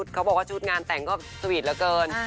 เขาบอกว่าชุดงานแต่งก็สวีทเหลือเกิน